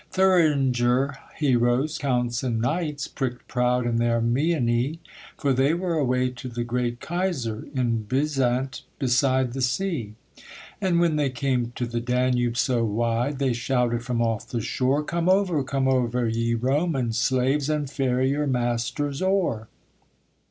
Thuringer heroes, counts and knights, Pricked proud in their meinie; For they were away to the great Kaiser, In Byzant beside the sea. And when they came to the Danube so wide They shouted from off the shore, 'Come over, come over, ye Roman slaves, And ferry your masters o'er.'